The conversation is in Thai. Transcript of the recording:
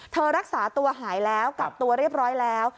รักษาตัวหายแล้วกักตัวเรียบร้อยแล้ว